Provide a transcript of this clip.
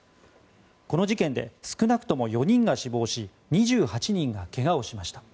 この事件で少なくとも４人が死亡し２８人がけがをしました。